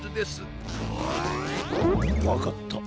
わかった。